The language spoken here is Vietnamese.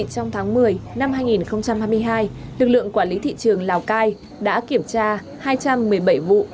trong tháng một mươi năm hai nghìn hai mươi hai lực lượng quản lý thị trường lào cai đã kiểm tra hai trăm một mươi bảy vụ